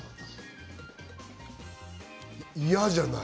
嫌じゃない。